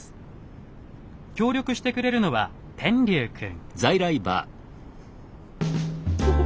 協力してくれるのは天龍くん。